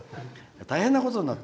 大変なことになった。